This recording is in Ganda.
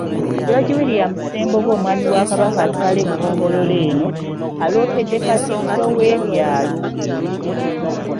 George William Ssembogo omwami wa Kabaka atwala eggomboolola eno, aloopedde Katikkiro w’ebyalo.